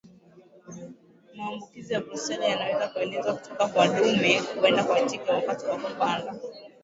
Maambukizi ya Brusela yanaweza kuenezwa kutoka kwa dume kwenda kwa jike wakati wa kupanda